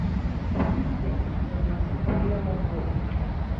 栃木県宇都宮市鐺山町